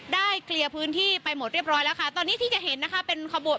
เคลียร์พื้นที่ไปหมดเรียบร้อยแล้วค่ะตอนนี้ที่จะเห็นนะคะเป็นขบวน